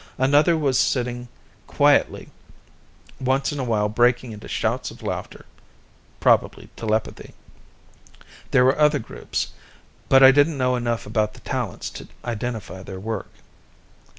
Another was sitting quietly, once in a while breaking into shouts of laughter; probably telepathy. There were other groups, but I didn't know enough about the talents to identify their work.